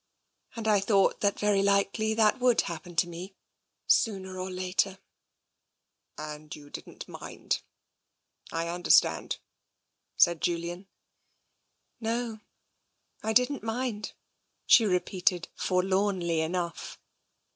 And I thought 26o TENSION that very likely that would happen to me, sooner or later/' " And you didn't mind ?" I understand," said Julian. " No, I didn't mind," she repeated forlornly enough.